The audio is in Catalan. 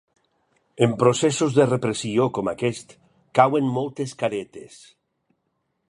En processos de repressió com aquest, cauen moltes caretes.